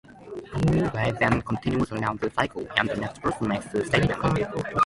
Play then continues around the circle, and the next person makes a statement.